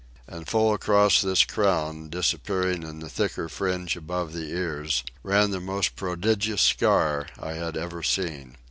And full across this crown, disappearing in the thicker fringe above the ears, ran the most prodigious scar I had ever seen.